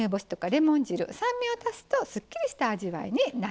レモン汁酸味を足すとすっきりした味わいになってくれます。